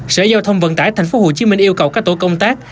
sở giao thông vận tải tp hcm yêu cầu các tổ công tác